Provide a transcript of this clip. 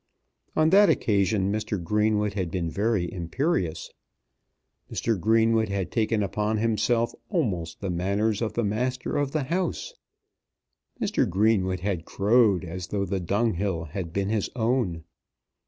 On that occasion Mr. Greenwood had been very imperious. Mr. Greenwood had taken upon himself almost the manners of the master of the house. Mr. Greenwood had crowed as though the dunghill had been his own.